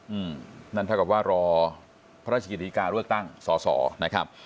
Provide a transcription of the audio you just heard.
อืมนั่นเท่ากับว่ารอพระราชกิจการเลือกตั้งสอสอนะครับ